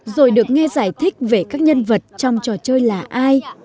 rồi được nghe giải thích về các nhân vật trong trò chơi là ai